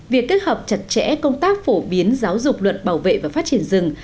việc kết hợp chặt chẽ công tác phổ biến giáo dục luật bảo vệ và phát triển rừng